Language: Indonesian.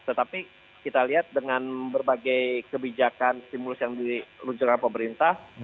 tetapi kita lihat dengan berbagai kebijakan stimulus yang diluncurkan pemerintah